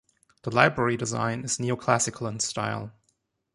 The library design is neo-classical in style.